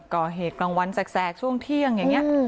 ก่อเหตุกลางวันแสกช่วงเที่ยงอย่างนี้